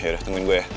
yaudah tungguin gue ya